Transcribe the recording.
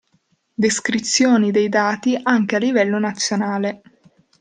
Descrizioni dei dati anche a livello nazionale.